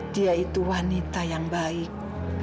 dia itu wanita yang baik